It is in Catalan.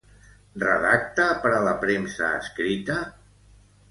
Redacta per a la premsa escrita?